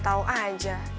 itu kan yang beneran